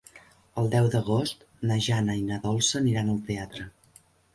El deu d'agost na Jana i na Dolça aniran al teatre.